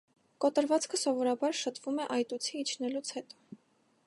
Կոտրվածքը սովորաբար շտվում է այտուցի իջնելուց հետո։